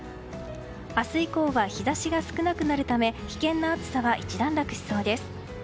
明日以降は日差しが少なくなるため危険な暑さは一段落しそうです。